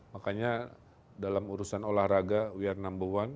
makanya dalam urusan olahraga we are number one